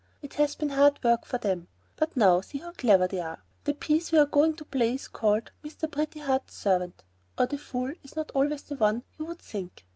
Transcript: It has been hard work for them; but now see how clever they are. The piece we are going to play is called, 'Mr. Pretty Heart's Servant, or The Fool is not Always the One You Would Think.'